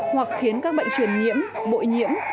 hoặc khiến các bệnh truyền nhiễm bội nhiễm